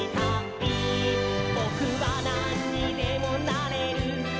「ぼくはなんにでもなれる！」